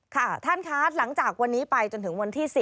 ค่ะท่านคะหลังจากวันนี้ไปจนถึงวันที่๔